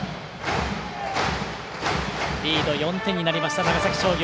リード、４点になりました長崎商業。